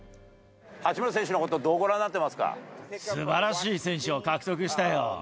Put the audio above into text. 八村選手のことをどうご覧にすばらしい選手を獲得したよ。